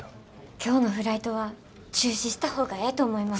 今日のフライトは中止した方がええと思います。